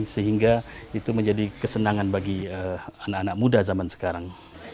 sehingga itu menjadi kesenangan bagi anak anak muda zaman sekarang